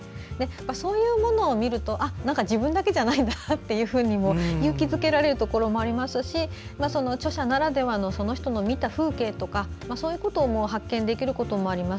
そういうものを見ると自分だけじゃないんだなと勇気づけられるところもありますしその著者ならではのその人の見た風景とかそういうことを発見できることもあります。